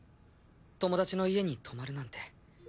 友達の家に泊まるなんて。